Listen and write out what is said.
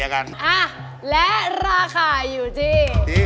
และราคาอยู่ที่